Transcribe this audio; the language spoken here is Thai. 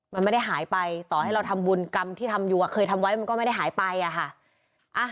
มันไม่ได้หายไปต่อให้เราทำบุญกรรมที่ทำอยู่เคยทำไว้มันก็ไม่ได้หายไปอะค่ะ